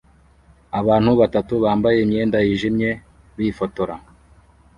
Abantu batatu bambaye imyenda yijimye bifotora